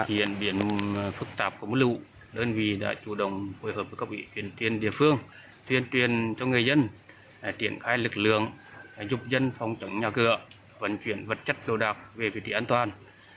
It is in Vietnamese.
hiện biển phức tạp của lũ đơn vị đã chủ động hội hợp với các vị truyền truyền địa phương truyền truyền cho người dân triển khai lực lượng giúp dân phòng trắng nhà cửa vận chuyển vật chất lô đạc về vị trí an toàn